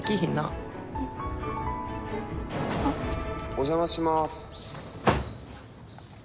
お邪魔します。